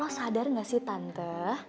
eh lo sadar gak sih tante